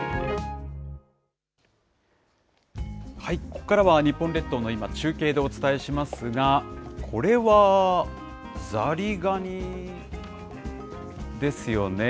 ここからは日本列島の今、中継でお伝えしますが、これは、ザリガニですよね。